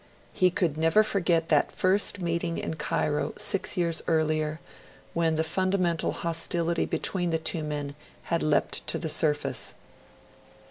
He could never forget that first meeting in Cairo, six years earlier, when the fundamental hostility between the two men had leapt to the surface.